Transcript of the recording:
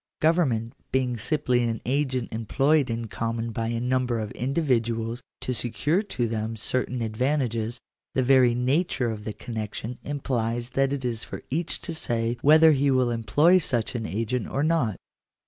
Government being simply an agent employed in common by a number of individuals to secure to them certain advantages, the very nature of the connection implies that it is for each to say whether he will employ such an agent or not.